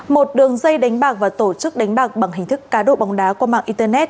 một đường dây đánh bạc và tổ chức đánh bạc bằng hình thức cá độ bóng đá qua mạng internet